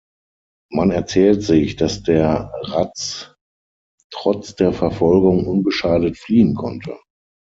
Man erzählt sich, dass der Ratz trotz der Verfolgung unbeschadet fliehen konnte.